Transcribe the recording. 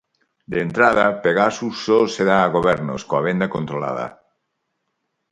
De entrada, Pegasus só se dá a gobernos coa venda controlada.